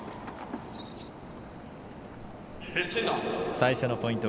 最初のポイント